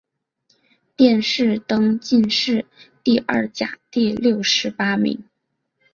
殿试登进士第二甲第六十八名。